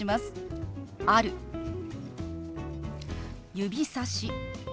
「指さし」。